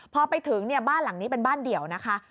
พอไปถึงเนี่ยบ้านหลังนี้เป็นบ้านเดี่ยวนะคะ